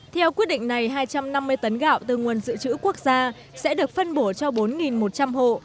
theo quyết định này hai trăm năm mươi tấn gạo từ nguồn dự trữ quốc gia sẽ được phân bổ cho bốn một trăm linh hộ